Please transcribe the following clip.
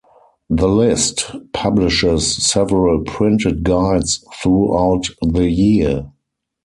"The List" publishes several printed guides throughout the year.